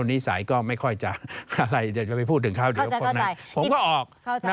อะไรแล้วนิสัยก็ไม่ค่อยจะอยู่พูดถึงเขาเดี๋ยวผมก็ออก